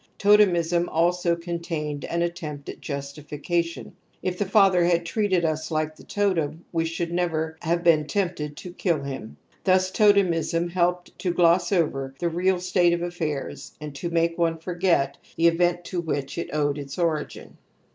/^Totemism also contained an attempt at justification) " If the father had treated us like the totem we should never have been tempted to kill him." Thus totemism helped to gloss over the real state of affairs and to make one forget the event to which it owed its origin.